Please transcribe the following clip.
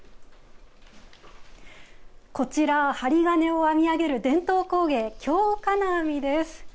こちらは針金を編み上げる伝統工芸京金網です。